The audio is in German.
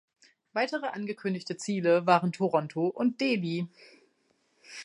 Weitere angekündigte Ziele waren Toronto und Delhi.